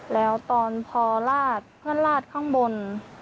แล้วตอนพอราดมันราดข้างบน